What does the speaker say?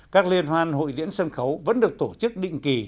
các liên hoan hội diễn sân khấu vẫn được tổ chức định kỳ